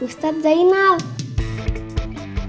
ustadz jainal di kebun